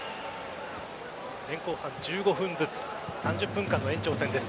前後半１５分ずつ３０分間の延長戦です。